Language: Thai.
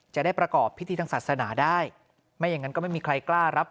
จะได้ประกอบพิธีทางศาสนาได้ไม่อย่างนั้นก็ไม่มีใครกล้ารับ